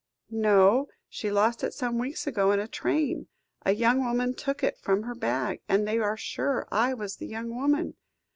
"No; she lost it some weeks ago in a train. A young woman took it from her bag; and they are sure I was the young woman.